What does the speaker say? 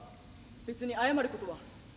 「別に謝ることは」。